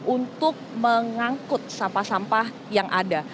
untuk mengangkut sampah sampah yang ada